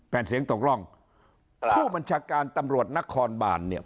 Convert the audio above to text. ผู้บัญชาการตำรวจนครบาลเนี่ย